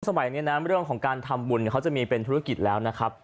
สมัยนี้นะเรื่องของการทำบุญเขาจะมีเป็นธุรกิจแล้วนะครับ